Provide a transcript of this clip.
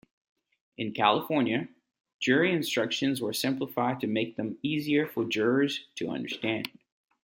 In California, jury instructions were simplified to make them easier for jurors to understand.